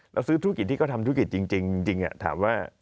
แล้วซื้อธุรกิจที่เขาทำธุรกิจจริงถามว่า